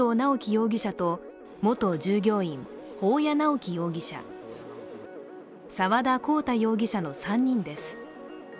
容疑者と元従業員、保谷直紀容疑者と沢田昂太容疑者の３人です。